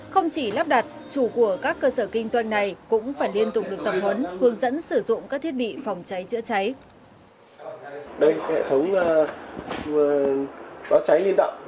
không chỉ lắp đặt chủ của các cơ sở kinh doanh này cũng phải liên tục được tập huấn hướng dẫn sử dụng các thiết bị phòng cháy chữa cháy